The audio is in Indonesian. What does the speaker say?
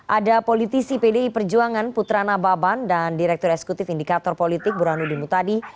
ada politisi pdi perjuangan putrana baban dan direktur eksekutif indikator politik burhanudin mutadi